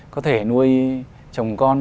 có thể nuôi chồng con